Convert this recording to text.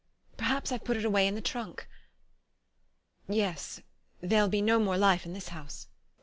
perhaps I've put it away in the trunk.... Yes, there'll be no more life in this house....